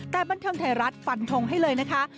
แต่บันเทิงไทยรัฐฟันทงให้เลยนะคะ